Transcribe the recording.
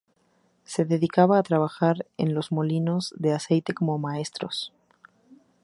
Se dedicaban a trabajar en los molinos de aceite como maestros.